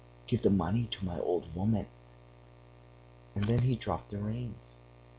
give the money to my old woman...." And then he dropped the reins.